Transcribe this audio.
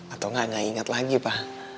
atau gak inget lagi pa